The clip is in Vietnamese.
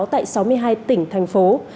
tại sáu mươi hai tỉnh thành phố